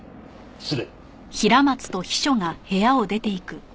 失礼。